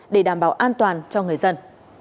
để đảm bảo an toàn cho người dân